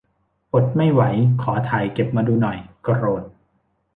อดไม่ไหว ขอถ่ายเก็บมาดูหน่อย โกรธ